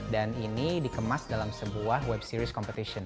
dan ini dikemas dalam sebuah web series competition